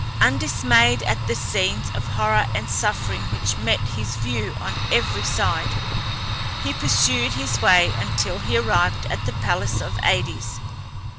Undismayed at the scenes of horror and suffering which met his view on every side, he pursued his way until he arrived at the palace of Aïdes.